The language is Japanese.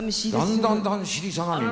だんだんだんだん尻下がりで。